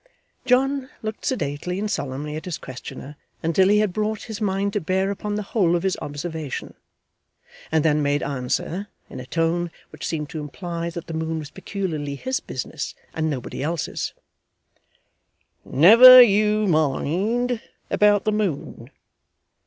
John looked sedately and solemnly at his questioner until he had brought his mind to bear upon the whole of his observation, and then made answer, in a tone which seemed to imply that the moon was peculiarly his business and nobody else's: 'Never you mind about the moon.